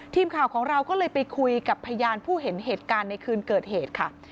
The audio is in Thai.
ทีมข่าวของเราก็เลยไปคุยกับพยานผู้เห็นเหตุการณ์ในคืนเกิดเหตุค่ะ